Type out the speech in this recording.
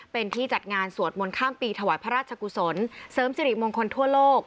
เป็นที่จัดงานสวดมนต์ข้ามปีถวายพระราชกุศลเสริมสิริมงคลทั่วโลก